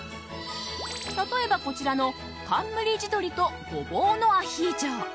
例えば、こちらの冠地どりとごぼうのアヒージョ。